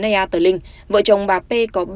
ea tờ linh vợ chồng bà p có ba